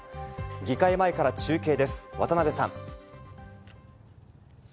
議会前から中継です、渡邊さん。